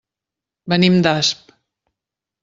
Venim d'Asp.